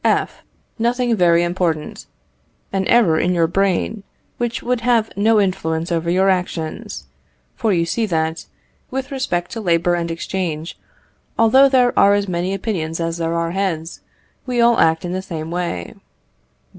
F. Nothing very important. An error in your brain, which would have no influence over your actions; for you see that, with respect to labour and exchange, although there are as many opinions as there are heads, we all act in the same way.